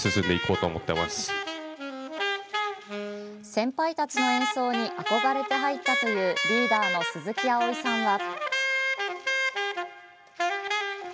先輩たちの演奏に憧れて入ったというリーダーの鈴木碧音さんは。